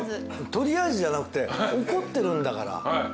取りあえずじゃなくて怒ってるんだからねっ。